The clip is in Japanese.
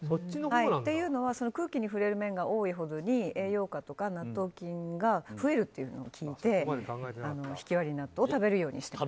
というのは空気に触れる面が多いほどに栄養価とか納豆菌が増えるっていうふうに聞いてひきわり納豆を食べ方は？